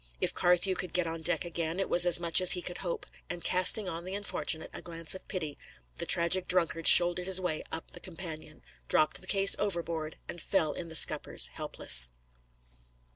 If Carthew could get on deck again, it was as much as he could hope; and casting on the unfortunate a glance of pity, the tragic drunkard shouldered his way up the companion, dropped the case overboard, and fell in the scuppers helpless.